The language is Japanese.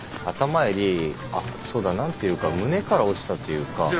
頭よりあっそうだ何ていうか胸から落ちたというか。